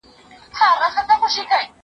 هغه وويل چي بوټونه پاک ساتل مهم دي؟!